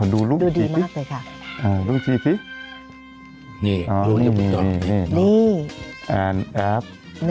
ดูรุ่งทีด้วยมากเลยค่ะ